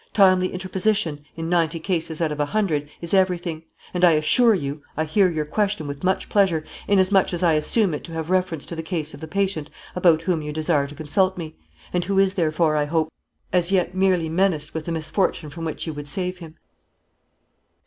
Timely interposition, in ninety cases out of a hundred, is everything; and, I assure you, I hear your question with much pleasure, inasmuch as I assume it to have reference to the case of the patient about whom you desire to consult me; and who is, therefore, I hope, as yet merely menaced with the misfortune from which you would save him."